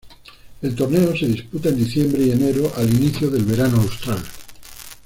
El torneo se disputa en diciembre y enero, al inicio del verano austral.